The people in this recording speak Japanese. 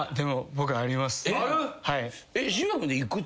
僕。